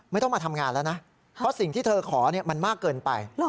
ไม่ต้องมาทำงานแล้วนะเพราะสิ่งที่เธอขอมันมากเกินไป